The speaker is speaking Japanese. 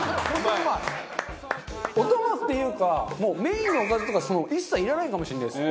お供っていうかもうメインのおかずとか一切いらないかもしれないです。